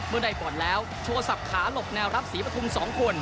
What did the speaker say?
เมื่อใดก่อนแล้วโชว์สับขาหลบแนวรับสีประทุม๒คน